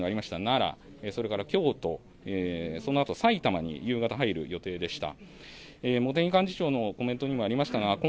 奈良それから京都、そのあと埼玉に夕方入る予定でした。